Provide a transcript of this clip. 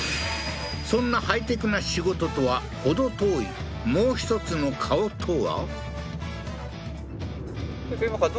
そんなハイテクな仕事とは程遠いもう一つの顔とは？